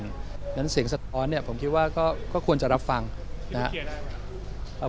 เพราะฉะนั้นเสียงสะท้อนเนี่ยผมคิดว่าก็ควรจะรับฟังนะครับ